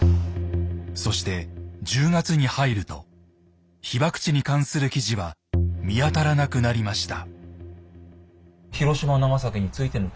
そして１０月に入ると被爆地に関する記事は見当たらなくなりました。